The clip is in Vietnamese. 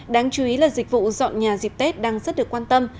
đáng chú ý là dịch vụ dọn nhà dịp tết đang rất được quan tâm